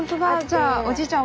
じゃあおじいちゃん